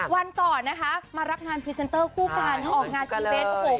วันก่อนนะคะมารับงานพรีเซนเตอร์คู่การออกงานที่เบส๖